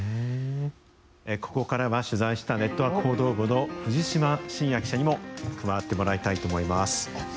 ここからは取材したネットワーク報道部の藤島新也記者にも加わってもらいたいと思います。